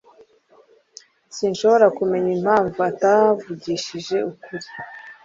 Sinshobora kumenya impamvu atavugishije ukuri.